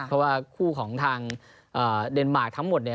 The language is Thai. เพราะว่าคู่ทางเดนมารกทั้งหมดเนี่ย